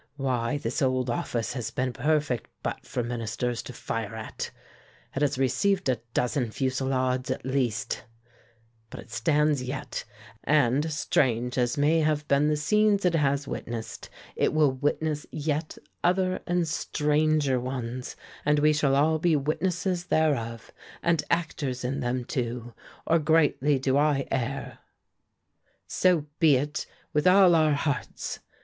Why, this old office has been a perfect butt for Ministers to fire at it has received a dozen fusillades, at least; but it stands yet, and, strange as may have been the scenes it has witnessed, it will witness yet other and stranger ones, and we shall all be witnesses thereof, and actors in them, too, or greatly do I err." "So be it, with all our hearts!"